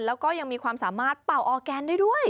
แล้วก็ยังมีความสามารถเป่าออร์แกนได้ด้วย